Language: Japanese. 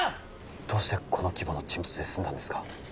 どうしてこの規模の沈没で済んだんですか？